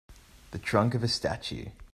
The trunk of a statue.